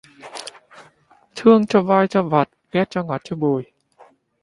Thương cho roi cho vọt, ghét cho ngọt cho bùi